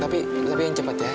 tapi tapi yang cepat ya